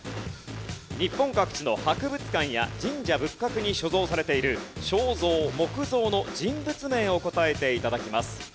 日本各地の博物館や神社仏閣に所蔵されている肖像・木像の人物名を答えて頂きます。